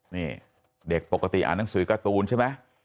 นี่เด็กปกติอ่านหนังสือการ์ตูนใช่ไหม